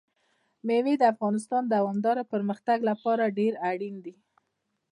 مېوې د افغانستان د دوامداره پرمختګ لپاره ډېر اړین دي.